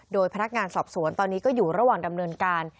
โดยพนักงานสอบสวนตอนนี้ก็อยู่ระหว่างดำเนินการ